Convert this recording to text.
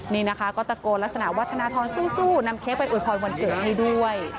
นี่นะคะก็ตะโกนลักษณะว่าธนทรสู้นำเค้กไปอวยพรวันเกิดให้ด้วย